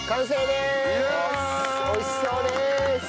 美味しそうです！